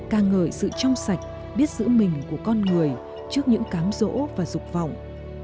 ca ngợi sự trong sạch biết giữ mình của con người trước những cám rỗ và dục vọng